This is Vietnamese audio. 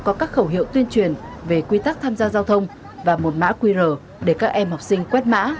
có các khẩu hiệu tuyên truyền về quy tắc tham gia giao thông và một mã qr để các em học sinh quét mã